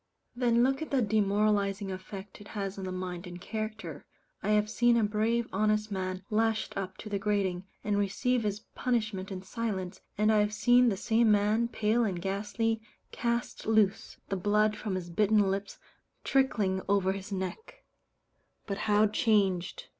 Then look at the demoralizing effect it has on the mind and character. I have seen a brave honest man lashed up to the grating, and receive his punishment in silence, and I have seen the same man, pale and ghastly, cast loose the blood from his bitten lips trickling over his neck but how changed!